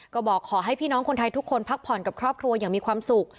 ก็บอกขอให้พี่น้องคนไทยทุกคนพักผ่อนกับครอบครัวอย่างมีความสุข